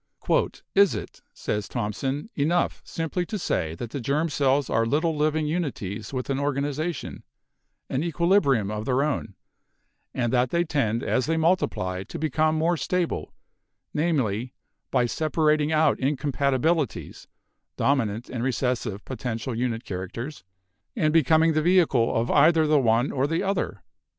"Is it," says Thomson, "enough simply to say that the germ cells are little living unities with an organization, an equilibrium of their own, and that they tend as they multiply to become more stable — namely, by separating out incompatibilities (dominant and recessive potential unit characters) and becoming the vehicle of either the one or the other?